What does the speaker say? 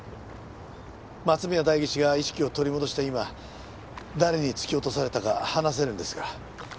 松宮代議士が意識を取り戻した今誰に突き落とされたか話せるんですから。